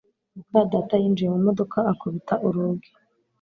muka data yinjiye mu modoka akubita urugi